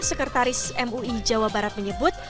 sekretaris mui jawa barat menyebut